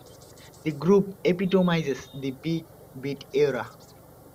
The group epitomises the big beat era.